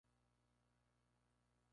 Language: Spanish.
Este río es afluente del Rin.